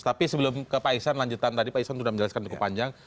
tapi sebelum ke pak iksan lanjutan tadi pak iksan sudah menjelaskan cukup panjang